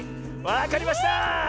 わかりました！